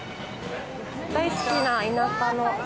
大好きな田舎の。